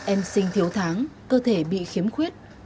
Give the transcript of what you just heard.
em sinh thiếu tháng cơ thể bị khiếm khuyết